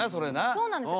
そうなんですよ。